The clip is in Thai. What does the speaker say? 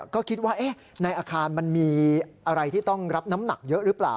ก็คิดว่าในอาคารมันมีอะไรที่ต้องรับน้ำหนักเยอะหรือเปล่า